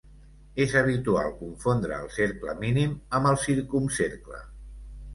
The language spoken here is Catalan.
És habitual confondre el cercle mínim amb el circumcercle.